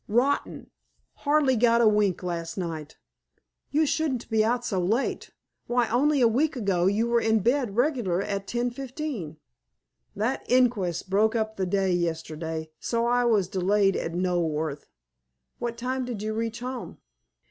"Rotten! Hardly got a wink last night." "You shouldn't be out so late. Why, on'y a week ago you were in bed regular at 10.15." "That inquest broke up the day yesterday, so I was delayed at Knoleworth." "What time did you reach home?"